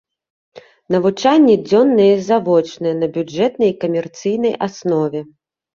Навучанне дзённае і завочнае, на бюджэтнай і камерцыйнай аснове.